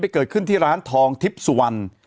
ไปเกิดขึ้นที่ร้านทองทิปสวรรค์